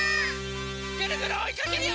ぐるぐるおいかけるよ！